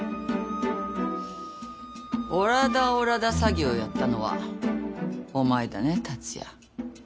おらだおらだ詐欺をやったのはお前だね達也。